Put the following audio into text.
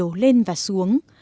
thủy chiều lên và xuống